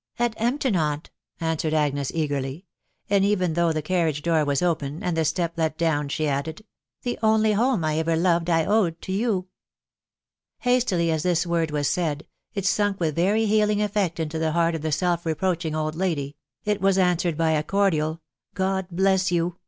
"AtEmpton, aunt!" answered Agnes eagerly; and even though the carriage door was open, and the step let down, she added, ' e The only home 1 ever loved I owed to you." Hastily as this word was said, it sunk with very healing effect into the heart of the self reproaching old lady .... it was answered by a cordial " God bless you